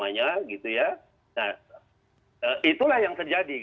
nah itulah yang terjadi